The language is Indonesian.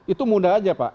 itu mudah aja pak